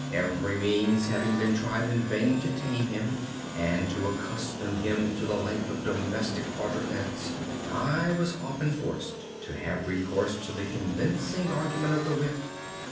Every means having been tried in vain to tame him, and to accustom him to the life of domestic quadrupeds, I was often forced to have recourse to the convincing argument of the whip.